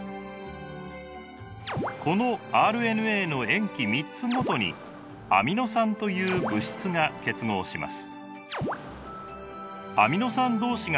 このＲＮＡの塩基３つごとにアミノ酸という物質が結合します。